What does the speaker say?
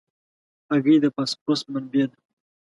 هګۍ د فاسفورس منبع ده.